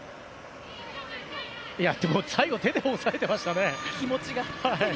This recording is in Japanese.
最後、手で押さえてましたね。